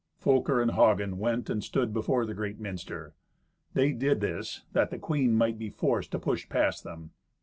Folker and Hagen went and stood before the great minster. They did this, that the queen might be forced to push past them.